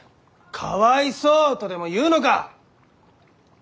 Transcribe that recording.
「かわいそう」とでも言うのか！？